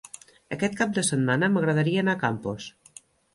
Aquest cap de setmana m'agradaria anar a Campos.